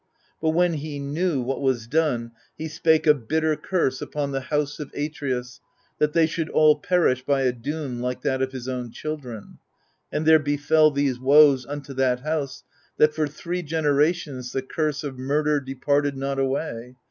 But when he knew what was done, he spake a bitter curse upon the house of Atreus, that they should all perish by a doom like that of his own children. And there befel these woes unto that house, that for three generations the curse of murder departed not away.